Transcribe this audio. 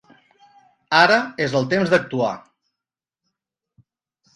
Ara és el temps d'actuar.